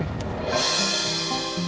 aku juga gak mau jadi pacar